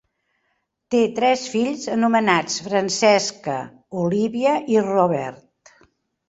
Té tres fills anomenats Francessca, Olivia i Robert.